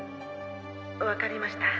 わかりました。